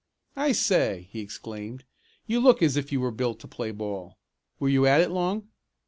"I say!" he exclaimed, "you look as if you were built to play ball. Were you at it long?"